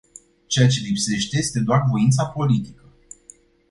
Ceea ce lipsește este doar voința politică.